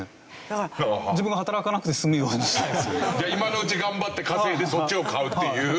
じゃあ今のうち頑張って稼いでそっちを買うっていう。